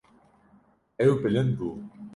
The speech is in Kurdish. Ew bilind bû.